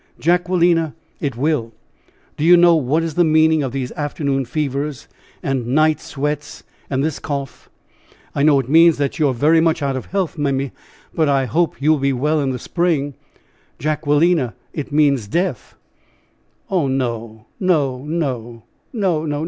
"Jacquelina, it will. Do you know what is the meaning of these afternoon fevers and night sweats and this cough?" "I know it means that you are very much out of health, Mimmy, but I hope you will be well in the spring." "Jacquelina, it means death." "Oh, no! No, no! No, no!